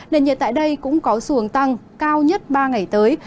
nền nhiệt tại đây cũng có xu hướng tăng cao nhất ba ngày tới